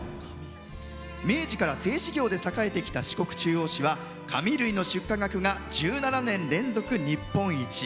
明治から製紙業で栄えてきた四国中央市は紙類の出荷額が１７年連続日本一。